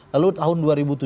lalu tahun dua ribu tujuh belas